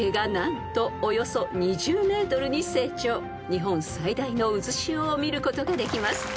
［日本最大の渦潮を見ることができます］